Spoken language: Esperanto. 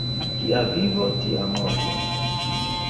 Kia vivo, tia morto.